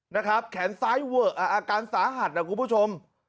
นะครับแขนซ้ายเวอะอาการสาหัสนะคุณผู้ชม